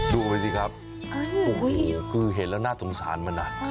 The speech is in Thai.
ดูสิครับคือเห็นแล้วน่าสงสารมันนะ